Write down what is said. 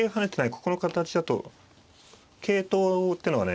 ここの形だと桂頭ってのがね